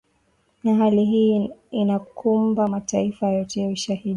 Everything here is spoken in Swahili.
na hali hii inakumba mataifa yote Ushahidi ni